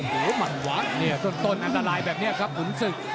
โอ้โหหมัดเนี่ยต้นอันตรายแบบนี้ครับขุนศึก